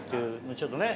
ちょっとね。